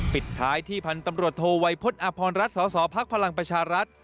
ปิดท้ายที่พันธ์ตำรวจโทวัยพฤษอาพรรัฐสสพลังประชารัฐ